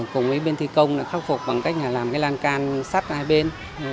cùng với bên thi công khắc phục bằng cách làm cái lan can sắt hai bên